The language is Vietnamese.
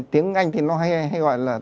tiếng anh thì nó hay gọi là